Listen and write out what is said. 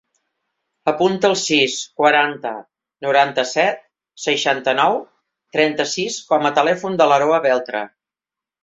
Apunta el sis, quaranta, noranta-set, seixanta-nou, trenta-sis com a telèfon de l'Aroa Beltre.